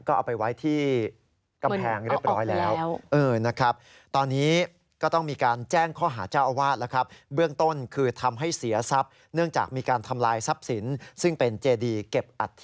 ก็เอาไปไว้ที่กำแพงเรียบร้อยแล้วนะครับ